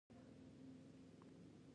ځینې ونې تل شنې وي